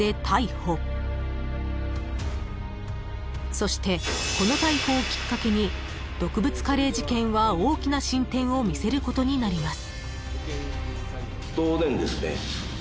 ［そしてこの逮捕をきっかけに毒物カレー事件は大きな進展を見せることになります］